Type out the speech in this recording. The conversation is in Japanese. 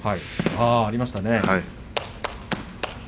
ありましたね。